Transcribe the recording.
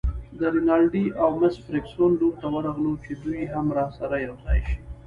د رینالډي او مس فرګوسن لور ته ورغلو چې دوی هم راسره یوځای شي.